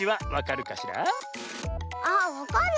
あっわかる。